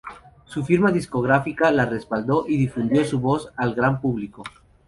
Su firma discográfica la respaldó y difundió su voz al gran público.